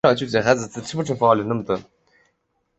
九嶷山相传为舜帝安葬之地。